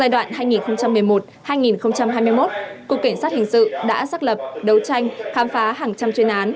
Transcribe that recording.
giai đoạn hai nghìn một mươi một hai nghìn hai mươi một cục cảnh sát hình sự đã xác lập đấu tranh khám phá hàng trăm chuyên án